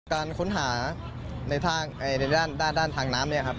การค้นหาในด้านทางน้ำเนี่ยครับ